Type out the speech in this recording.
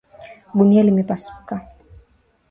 Gunia limepasuka.